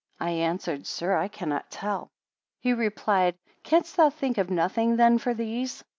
I answered, Sir, I cannot tell. 75 He replied, Canst thou think of nothing then for these?